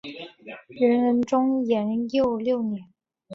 元仁宗延佑六年。